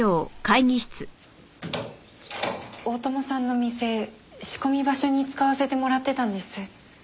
大友さんの店仕込み場所に使わせてもらってたんです。